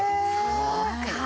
そうか。